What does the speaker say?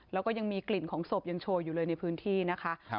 แล้วก็ยังมีกลิ่นของศพยังโชยอยู่เลยในพื้นที่นะคะ